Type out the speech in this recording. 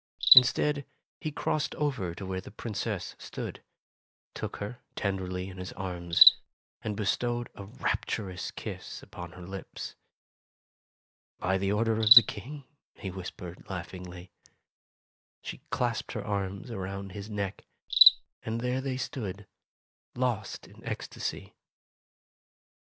Instead, he crossed over to where the Princess stood, took her tenderly in his arms and bestowed a rapturous kiss upon her lips. "By the order of the King," he whispered, laugh ingly. She clasped her arms around his neck, and there they stood, lost in ecstasy.